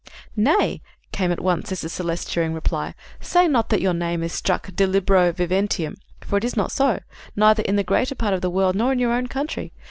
"Nay," came at once Sister Celeste's cheering reply, "say not that your name is struck de libro viventium, for it is not so; neither in the greater part of the world nor in your own country.